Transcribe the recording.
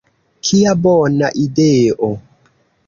Kia bona ideo!